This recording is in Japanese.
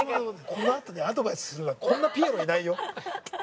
このあとにアドバイスするの、こんなピエロいないよ。